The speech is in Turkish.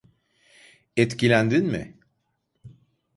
Etkilendin mi?